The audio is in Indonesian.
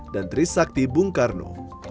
dan trisakti bungkarno